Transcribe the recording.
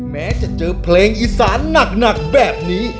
แม้จะเจอเพลงอีสานหนักแบบนี้